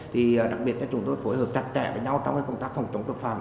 thì đặc biệt là chúng tôi phối hợp tạch trẻ với nhau trong cái công tác phòng trọng tội phạm